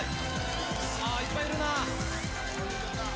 さあ、いっぱいいるな。